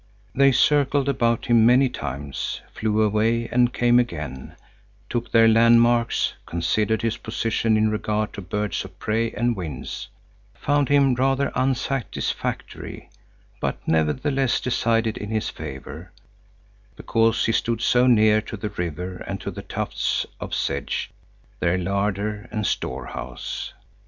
They circled about him many times, flew away and came again, took their landmarks, considered his position in regard to birds of prey and winds, found him rather unsatisfactory, but nevertheless decided in his favor, because he stood so near to the river and to the tufts of sedge, their larder and storehouse.